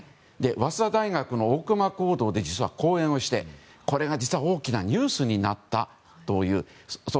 早稲田大学の大隈講堂で実は、講演をしてこれがニュースになったという。